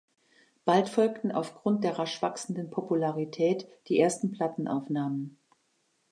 Bald folgten aufgrund der rasch wachsenden Popularität die ersten Plattenaufnahmen.